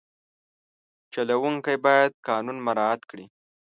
چلوونکی باید قانون مراعت کړي.